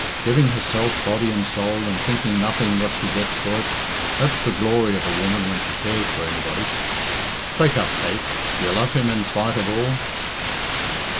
Giving herself, body and soul, and thinking nothing what she gets for it that's the glory of a woman when she cares for anybody. Spake up, Kate do you love him in spite of all?"